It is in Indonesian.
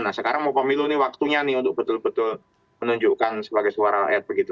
nah sekarang mau pemilu ini waktunya nih untuk betul betul menunjukkan sebagai suara rakyat begitu